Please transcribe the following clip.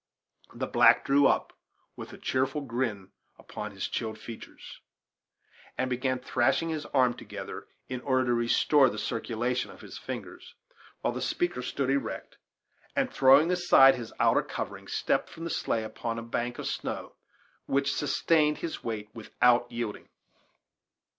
The black drew up, with a cheerful grin upon his chilled features, and began thrashing his arms together in order to restore the circulation of his fingers, while the speaker stood erect and, throwing aside his outer covering, stepped from the sleigh upon a bank of snow which sustained his weight without yielding.